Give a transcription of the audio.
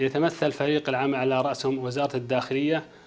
yaitu metel fariq al ama'ala raksam wazirat ad dakhriyah